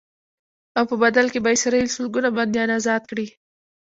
او په بدل کې به اسرائیل سلګونه بنديان ازاد کړي.